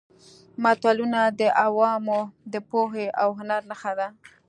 متلونه د عوامو د پوهې او هنر نښه ده